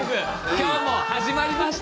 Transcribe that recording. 今日も始まりました。